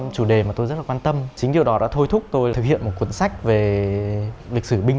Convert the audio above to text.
chủ đề mà tôi rất là quan tâm chính điều đó đã thôi thúc tôi thực hiện một cuốn sách về lịch sử binh